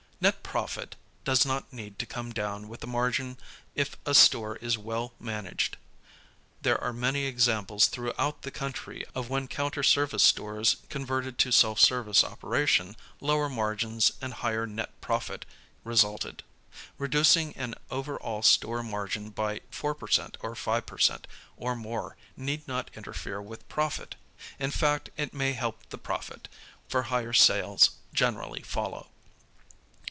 Net profit does not need to come down with the margin if a store is well managed. There are many examples throughout the country of when counter service stores converted to self service operation, lower margins and higher net profit resulted. Reducing an over all store margin by 4% or 5% or more need not interfere with profit. In fact it may help the profit, for higher sales generally follow.